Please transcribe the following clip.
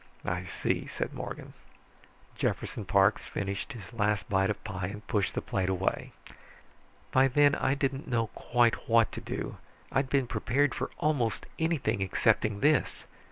"I see," said Morgan. Jefferson Parks finished his last bite of pie and pushed the plate away. "By then I didn't know quite what to do. I'd been prepared for almost anything excepting this.